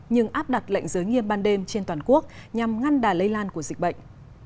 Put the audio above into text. nhưng áp đặt lệnh giới nghiêm ban đêm trên toàn quốc nhằm ngăn đà lây lan của dịch bệnh